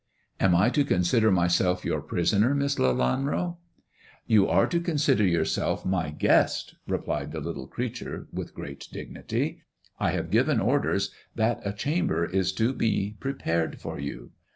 " Am I to consider myself your prisoner. Miss Lelanro 1 " 1 34 ' THE dwarf's chamber "You are to consider yourself my guest/' replied the little creature, with great dignity. " I have given orders that a chamber is to be prepared for you.